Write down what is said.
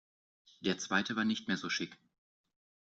Der zweite war nicht mehr so chic.